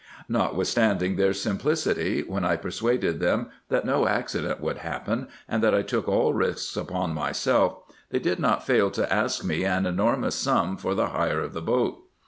Not 112 RESEARCHES AND OPERATIONS withstanding their simplicity, when I persviaded them that no accident would happen, and that I took all risks upon myself, they did not fail to ask me an enormous sum for the hire of the boat.